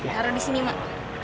taruh di sini mak